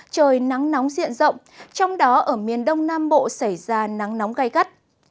trời nắng nóng diện rộng trong đó ở miền đông nam bộ xảy ra nắng nóng gai gắt